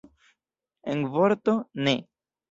En vorto, ne.